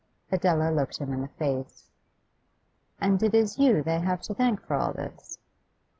Adela looked him in the face. 'And it is you they have to thank for all this?